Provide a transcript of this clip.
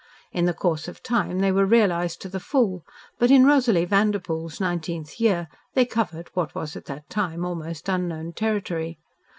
In the course of time they were realised to the full, but in Rosalie Vanderpoel's nineteenth year they covered what was at that time almost unknown territory.